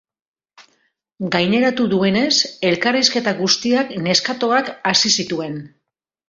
Gaineratu duenez, elkarrizketa guztiak neskatoak hasi zituen.